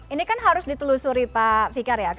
ini kan harus ditelusuri pak fikar ya